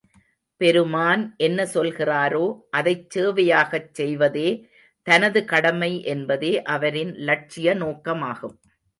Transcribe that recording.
பெருமான் என்ன சொல்கிறாரோ, அதைச் சேவையாகச் செய்வதே தனது கடமை என்பதே அவரின் லட்சிய நோக்கமாகும்.